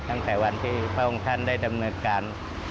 ตั้งแต่วันที่พระองค์ท่านได้ดำเนินการ